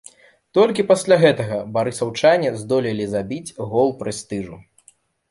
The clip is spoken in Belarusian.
Толькі пасля гэтага барысаўчане здолелі забіць гол прэстыжу.